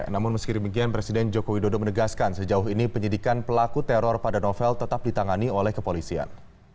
namun meski demikian presiden joko widodo menegaskan sejauh ini penyidikan pelaku teror pada novel tetap ditangani oleh kepolisian